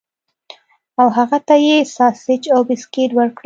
او هغه ته یې ساسج او بسکټ ورکړل